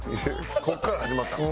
ここから始まったの？